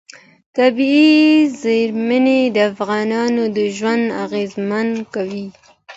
طبیعي زیرمې د افغانانو ژوند اغېزمن کوي.